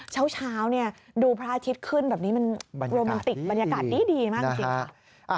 เช้าดูพระอาทิตย์ขึ้นแบบนี้มันโรแมนติกบรรยากาศดีมากจริงค่ะ